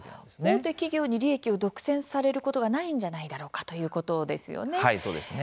大手企業に利益を独占されることがないんじゃないだろうかということですよね。